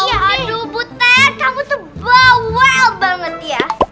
aduh butet kamu tuh well banget ya